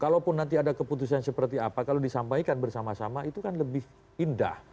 kalaupun nanti ada keputusan seperti apa kalau disampaikan bersama sama itu kan lebih indah